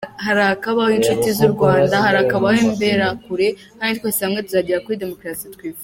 Harakabaho Inshuti z’u Rwanda, harakabaho Imberakuri kandi twese hamwe tuzagera kuri Demukarasi twifuza.